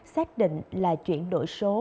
xác định là chuyển đổi số